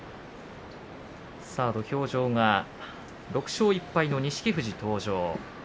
土俵上が６勝１敗の錦富士登場。